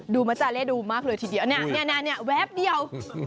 มัจจาเล่ดูมากเลยทีเดียวเนี่ยแวบเดียว